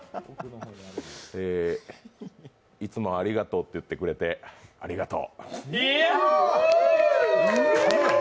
えいつもありがとうって言ってくれてありがとう。